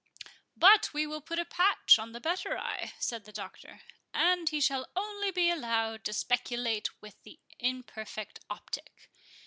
"But we will put a patch on the better eye," said the Doctor, "and he shall only be allowed to speculate with the imperfect optic.